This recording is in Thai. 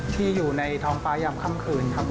ที่อยู่ในท้องฟ้ายามค่ำคืนครับ